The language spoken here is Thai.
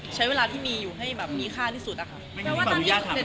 ใช้เวลาที่มีอยู่ให้แบบมีค่าที่สุดอะค่ะ